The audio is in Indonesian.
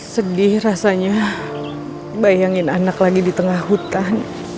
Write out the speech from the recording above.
sedih rasanya bayangin anak lagi di tengah hutan